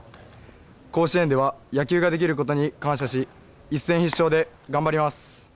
甲子園では、野球ができることに感謝し、一戦必勝で頑張ります。